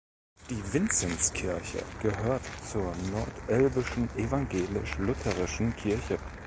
Die Vinzenz-Kirche gehört zur Nordelbischen evangelisch-lutherischen Kirche.